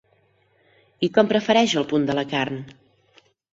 I com prefereix el punt de la carn?